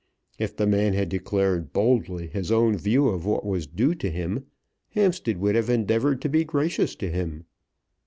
If the man had declared boldly his own view of what was due to him, Hampstead would have endeavoured to be gracious to him.